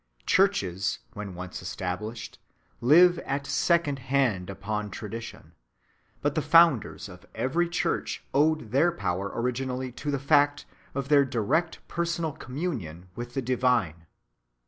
Churches, when once established, live at second‐hand upon tradition; but the founders of every church owed their power originally to the fact of their direct personal communion with the divine.